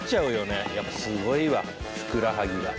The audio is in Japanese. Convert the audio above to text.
やっぱすごいわふくらはぎが。